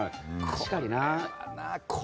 確かにな。